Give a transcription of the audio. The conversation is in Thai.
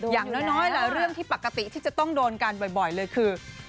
อย่างน้อยหลายเรื่องที่ปกติที่จะต้องโดนกันบ่อยเลยคือ